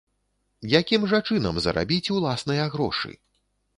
Якім жа чынам зарабіць уласныя грошы?